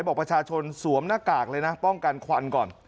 บอกประชาชนสวมหน้ากากเลยนะป้องกันควันก่อน